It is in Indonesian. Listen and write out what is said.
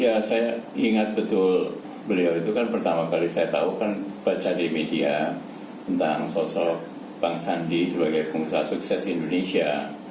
ya saya ingat betul beliau itu kan pertama kali saya tahu kan baca di media tentang sosok bang sandi sebagai pengusaha sukses indonesia